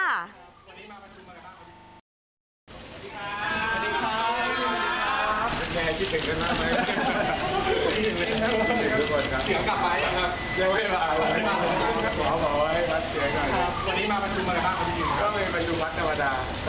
สวัสดีครับสวัสดีครับสวัสดีครับสวัสดีครับ